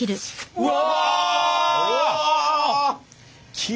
うわ。